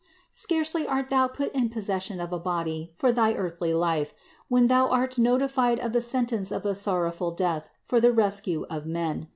Scarcely art Thou put in possession of a body for thy earthly life, when Thou art notified of the sentence of a sorrowful death for the rescue of men.